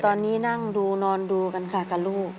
ตอนนี้นั่งดูนอนดูกันค่ะกับลูก